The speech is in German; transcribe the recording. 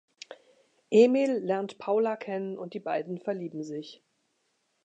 Emil lernt Paula kennen und die beiden verlieben sich.